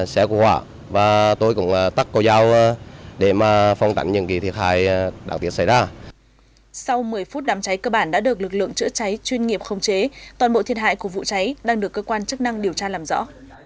sau một mươi phút đám cháy cơ bản đã được lực lượng chữa cháy chuyên nghiệp không chế toàn bộ thiệt hại của vụ cháy đang được cơ quan chức năng điều tra làm rõ